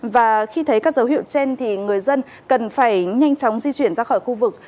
và khi thấy các dấu hiệu trên thì người dân cần phải nhanh chóng di chuyển ra khỏi khu vực